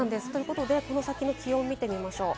この先の気温を見てみましょう。